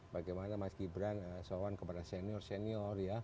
bagaimana mas gibran sewan kepada senior senior